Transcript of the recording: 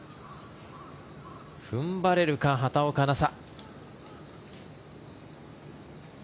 踏ん張れるか、畑岡奈紗。